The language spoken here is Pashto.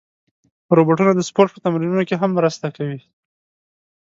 روبوټونه د سپورت په تمرینونو کې هم مرسته کوي.